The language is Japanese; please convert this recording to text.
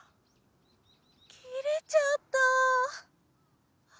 きれちゃった。